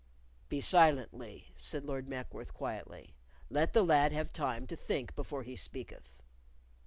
"Be silent, Lee," said Lord Mackworth, quietly. "Let the lad have time to think before he speaketh."